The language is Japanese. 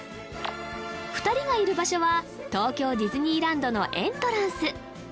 ２人がいる場所は東京ディズニーランドのエントランス